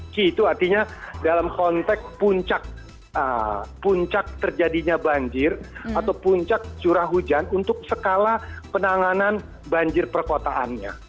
ki itu artinya dalam konteks puncak terjadinya banjir atau puncak curah hujan untuk skala penanganan banjir perkotaannya